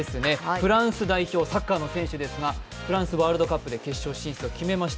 フランス代表サッカーの選手ですが、フランスワールドカップで決勝進出を決めました。